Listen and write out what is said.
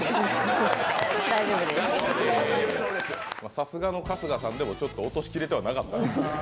さすがの春日さんでも落としきれてはなかったんです。